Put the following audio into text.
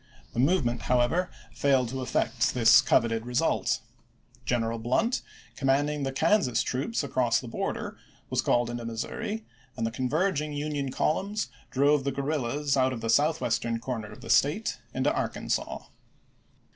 The move ment, however, failed to effect this coveted result. G eneral Blunt, commanding the Kansas troops across the border, was called into Missouri, and the converging Union columns drove the guerrillas out of the southwest corner of the State into Ar kansas.